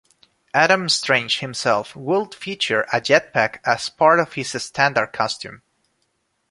Adam Strange himself would feature a jetpack as part of his standard costume.